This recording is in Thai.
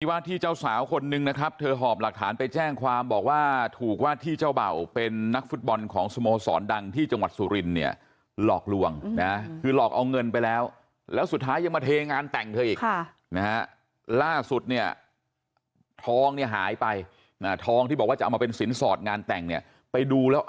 ว่าที่เจ้าสาวคนนึงนะครับเธอหอบหลักฐานไปแจ้งความบอกว่าถูกว่าที่เจ้าเบ่าเป็นนักฟุตบอลของสโมสรดังที่จังหวัดสุรินเนี่ยหลอกลวงนะคือหลอกเอาเงินไปแล้วแล้วสุดท้ายยังมาเทงานแต่งเธออีกค่ะนะฮะล่าสุดเนี่ยทองเนี่ยหายไปทองที่บอกว่าจะเอามาเป็นสินสอดงานแต่งเนี่ยไปดูแล้ว